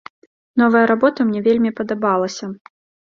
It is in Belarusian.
Новая работа мне вельмі падабалася.